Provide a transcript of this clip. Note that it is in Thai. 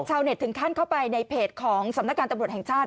ถึงขั้นเข้าไปในเพจของสำนักการตำรวจแห่งชาติ